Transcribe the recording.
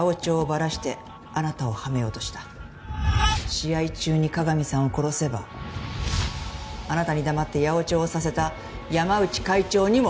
試合中に加賀見さんを殺せばあなたに黙って八百長をさせた山内会長にも復讐ができる。